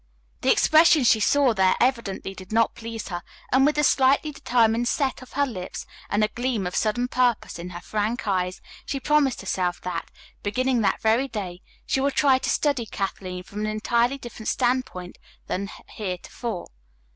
The expression she saw there evidently did not please her, and with a slightly determined set of her lips and a gleam of sudden purpose in her frank eyes, she promised herself that, beginning that very day, she would try to study Kathleen from an entirely different standpoint than heretofore.